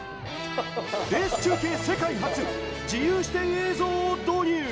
レース中継世界初、自由視点映像を導入。